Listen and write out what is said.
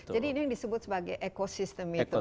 jadi ini yang disebut sebagai ekosistem itu